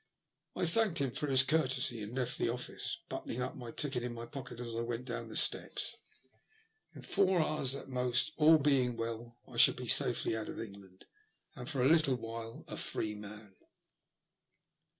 I thanked him for his courtesy and left the office, buttoning up my ticket in my pocket as I went down the steps. In four hours at most, all being well, I should be safely out of England ; and, for a little while, a free man.